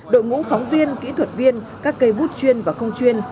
đội ngũ phóng viên kỹ thuật viên các cây bút chuyên và không chuyên